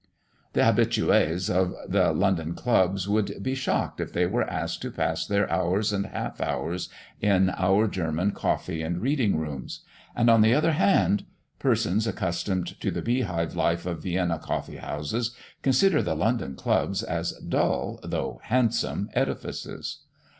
The habitués of the London Clubs would be shocked if they were asked to pass their hours and half hours in our German coffee and reading rooms; and, on the other hand, persons accustomed to the bee hive life of Vienna coffee houses consider the London Clubs as dull though handsome edifices.